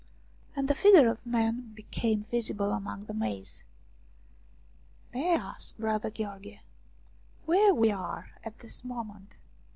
And the figure of a man became visible among the maize. " May I ask, brother Gheorghe, where we are at this moment